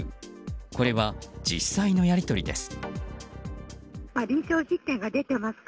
これは実際のやり取りです。